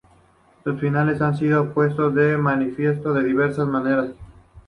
Sus fines han sido puestos de manifiesto de diversas maneras.